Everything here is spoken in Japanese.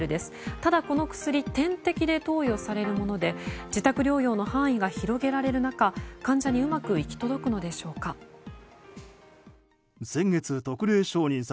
ただこの薬点滴で投与されるもので自宅療養の範囲が広げられる中患者にうまく行き届くのでしょうか。